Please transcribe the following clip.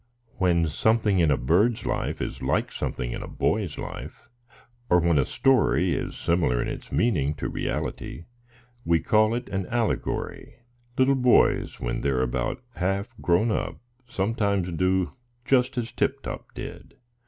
"When something in a bird's life is like something in a boy's life, or when a story is similar in its meaning to reality, we call it an allegory. Little boys, when they are about half grown up, sometimes do just as Tip Top did.